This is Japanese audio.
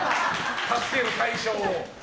助ける対象を。